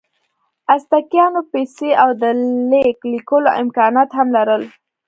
ازتکیانو پیسې او د لیک لیکلو امکانات هم لرل.